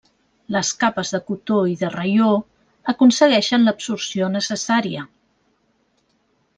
Les capes de cotó i de raió aconsegueixen l'absorció necessària.